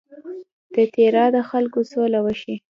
د تیرا د خلکو سوله وشي.